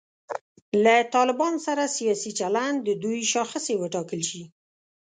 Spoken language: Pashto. له طالبانو سره سیاسي چلند د دوی شاخصې وټاکل شي.